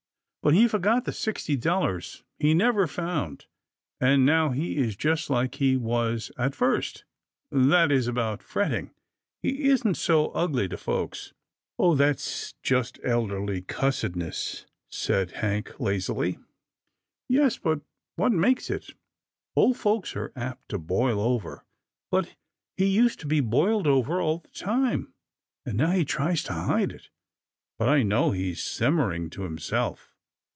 But he forgot the sixty dollars he never found, and now he is just like he was at THE MATTER WITH GRAMPA 23 first — that is, about fretting — he isn't so ugly to folks." " Oh ! that's just elderly cussedness," said Hank, lazily. " Yes, but what makes it — old folks are apt to boil over, but he used to be boiled over all the time, and now he tries to hide it, but I know he's sim mering to himself."